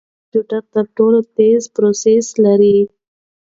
دا کمپیوټر تر ټولو تېز پروسیسر لري.